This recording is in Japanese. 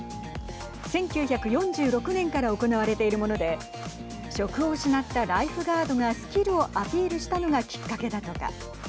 １９４６年から行われているもので職を失ったライフガードがスキルをアピールしたのがきっかけだとか。